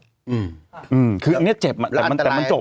อันนี้เจ็บแต่มันจบ